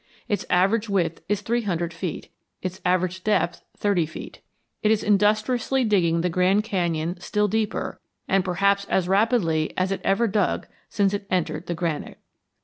Its average width is three hundred feet; its average depth thirty feet. It is industriously digging the Grand Canyon still deeper, and perhaps as rapidly as it ever dug since it entered the granite.